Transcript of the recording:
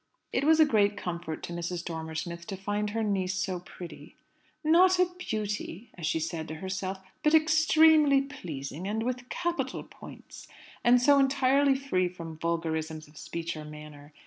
It was a great comfort to Mrs. Dormer Smith to find her niece so pretty ("not a beauty," as she said to herself, "but extremely pleasing, and with capital points"), and so entirely free from vulgarisms of speech or manner.